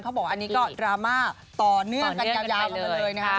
บอกว่าอันนี้ก็ดราม่าต่อเนื่องกันยาวมาเลยนะคะ